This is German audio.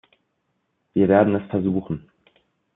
Wir werden es versuchen.